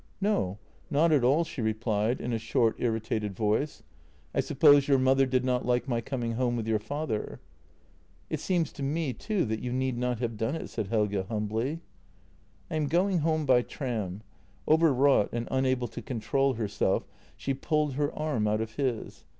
"" No, not at all," she replied, in a short, irritated voice. " I suppose your mother did not like my coming home with your father." " It seems to me, too, that you need not have done it," said Helge humbly. " I am going home by tram." Overwrought, and unable to control herself, she pulled her arm out of his.